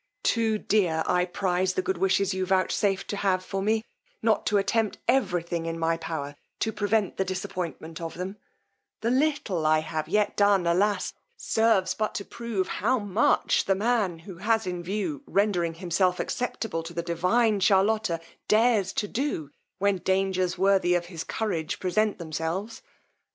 Too dear I prize the good wishes you vouchsafe to have for me, not to attempt every thing in my power to prevent the disappointment of them: the little I have yet done, alas! serves but to prove how much the man, who has in view rendering himself acceptable to the divine Charlotta, dares to do, when dangers worthy of his courage present themselves.